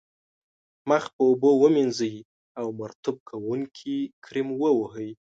مخ په اوبو ومینځئ او مرطوب کوونکی کریم و وهئ.